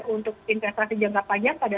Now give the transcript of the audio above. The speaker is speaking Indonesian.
untuk investasi jangka panjang pada